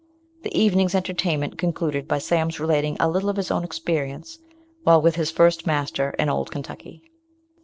The evening's entertainment concluded by Sam's relating a little of his own experience while with his first master in old Kentucky.